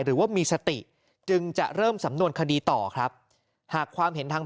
หรือว่ามีสติจึงจะเริ่มสำนวนคดีต่อครับหากความเห็นทาง